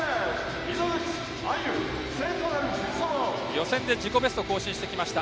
予選で自己ベストを更新してきました